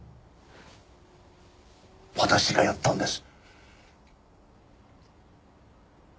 私がやったんです。